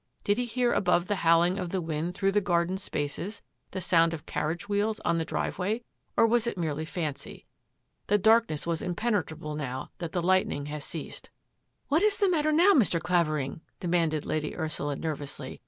Did he hear above the howling of the wind through the garden spaces the sound of carriage wheels on the driveway, or was it merely fancy? The darkness was Impenetrable now that the lightning had ceased. " What is the matter now, Mr. Clavering? " demanded Lady Ursula nervously.